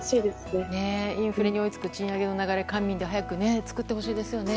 インフレに追いつく賃上げの流れを官民で早く作ってほしいですよね。